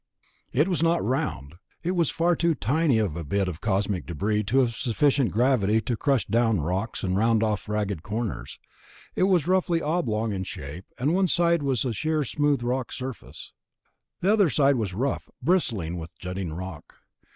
It was not round ... it was far too tiny a bit of cosmic debris to have sufficient gravity to crush down rocks and round off ragged corners. It was roughly oblong in shape, and one side was sheer smooth rock surface. The other side was rough, bristling with jutting rock.